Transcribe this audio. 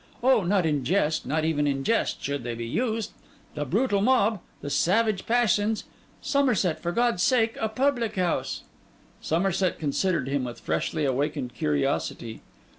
Oh, not in jest, not even in jest, should they be used! The brutal mob, the savage passions ... Somerset, for God's sake, a public house!' Somerset considered him with freshly awakened curiosity.